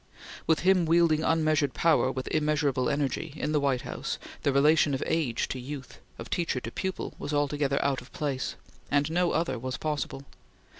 With him wielding unmeasured power with immeasurable energy, in the White House, the relation of age to youth of teacher to pupil was altogether out of place; and no other was possible.